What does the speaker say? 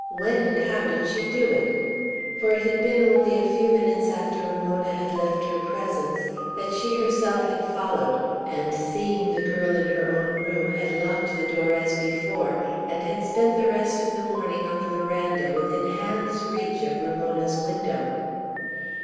When and how did she do it?" For it had been only a few moments after Ramona had left her presence, that she herself had followed, and, seeing the girl in her own room, had locked the door as before, and had spent the rest of the morning on the veranda within hands' reach of Ramona's window.